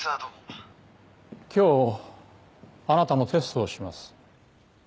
今日あなたのテストをします。